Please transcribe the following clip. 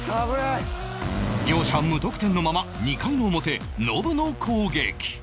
両者無得点のまま２回の表ノブの攻撃